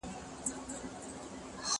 راځئ چي پښتو ژبه په داسي ډول وليکو چي نه يې د